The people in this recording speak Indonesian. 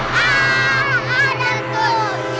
kadam tuyul kabur